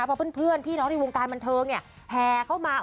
เพราะเพื่อนพี่น้องในวงการบันเทิงเนี่ยแห่เข้ามา